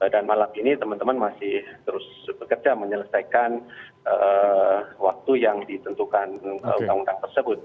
dan malam ini teman teman masih terus bekerja menyelesaikan waktu yang ditentukan